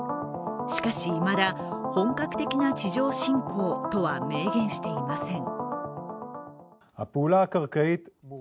しかし、いまだ本格的な地上侵攻とは明言していません。